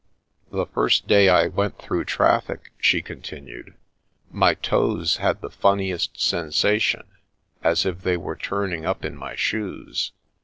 " The first day I went through traffic," she con tinued, " my toes had the funniest sensation, as if they were turning up in my shoes.